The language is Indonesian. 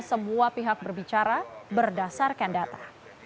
semua pihak berbicara berdasarkan data